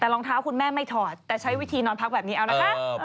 แต่รองเท้าคุณแม่ไม่ถอดแต่ใช้วิธีนอนพักแบบนี้เอานะคะ